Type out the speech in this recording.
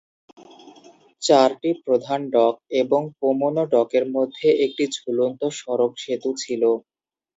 চারটি প্রধান ডক এবং পোমোনা ডকের মধ্যে একটি ঝুলন্ত সড়ক সেতু ছিল।